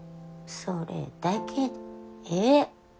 それだけでええ。